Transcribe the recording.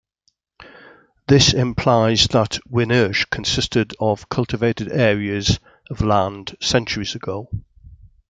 This implies that Winnersh consisted of cultivated areas of land centuries ago.